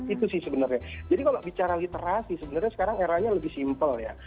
itu sih sebenarnya jadi kalau bicara literasi sebenarnya sekarang eranya lebih simpel ya